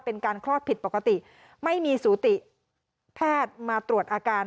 คลอดผิดปกติไม่มีสูติแพทย์มาตรวจอาการ